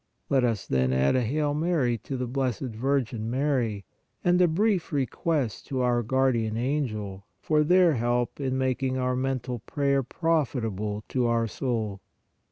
Let us then add a Hail Mary to the Blessed Virgin Mary and a brief request to our guardian angel for their help in making our mental prayer profitable to our soul.